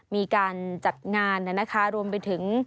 มีการจัดงานรวมไปถึง